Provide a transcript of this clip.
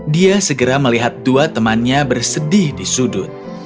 dia segera melihat dua temannya bersedih di sudut